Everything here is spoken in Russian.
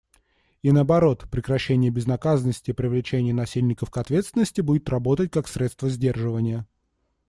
И наоборот, прекращение безнаказанности и привлечение насильников к ответственности будут работать как средство сдерживания.